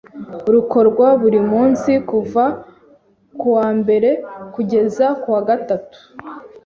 rukorwa buri munsi kuva ku wa mbere kugeza ku wa gatatu